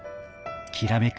きらめく